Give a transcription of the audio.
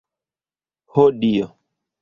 Ho Dio!